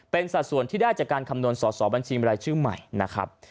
เป็นสัดส่วนที่ได้จากการคำนวณสอสอบัญชีบรายชื่อใหม่นะครับ